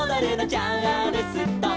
「チャールストン」